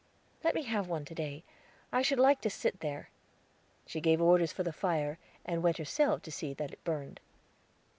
"Let me have one to day; I should like to sit there." She gave orders for the fire, and went herself to see that it burned.